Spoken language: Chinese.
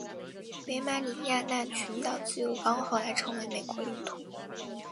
北马里亚纳群岛自由邦后来成为美国领土。